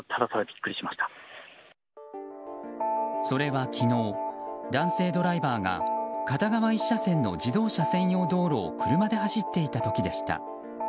それは昨日、男性ドライバーが片側１車線の自動車専用道路を車で走っていた時でした。